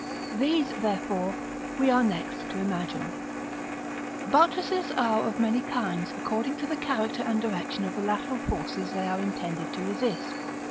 These, therefore, we are next to examine. § II. Buttresses are of many kinds, according to the character and direction of the lateral forces they are intended to resist.